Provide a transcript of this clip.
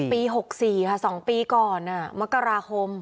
ปี๖๔ค่ะ๒ปีก่อนมกราคม